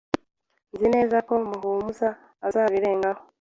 Nzi neza ko Muhumuza azabirengaho.